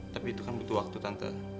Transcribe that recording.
tapi itu kan butuh waktu tante